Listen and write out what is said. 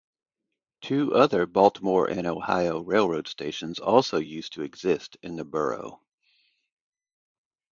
Two other Baltimore and Ohio Railroad stations also used to exist in the Borough.